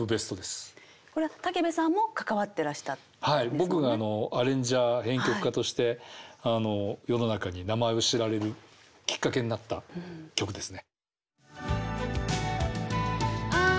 僕がアレンジャー編曲家として世の中に名前を知られるきっかけになった曲ですね。